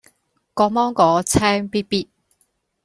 個芒果青咇咇